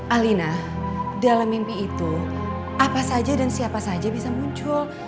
alina dalam mimpi itu apa saja dan siapa saja bisa muncul